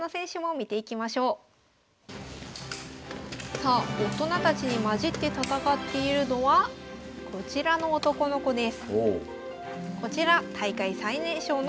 さあ大人たちに交じって戦っているのはこちらの男の子です。